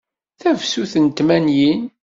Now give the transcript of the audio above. Tafsut n tmanyin.